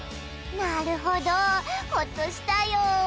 なるほどホッとしたよ